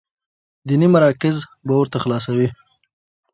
ديني مراکز به ورته خلاصوي،